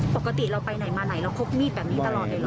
ปกติเราไปไหนมาไหนเราพกมีดแบบนี้ตลอดเลยเหรอ